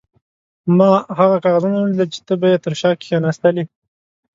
ما هغه کاغذونه ولیدل چې ته به یې تر شا کښېناستلې.